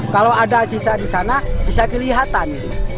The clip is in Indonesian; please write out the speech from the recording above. kalau ada sisa di sana bisa kelihatan